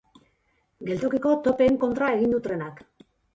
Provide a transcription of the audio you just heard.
Geltokiko topeen kontra egin du trenak.